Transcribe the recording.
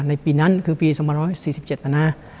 ในปีนั้นคือปี๒๔๗นะนะ